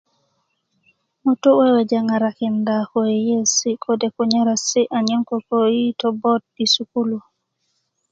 ŋutu weweja ŋarakinda ko yeiyesi kode kunyaresi anyen koko yitö bot i sukulu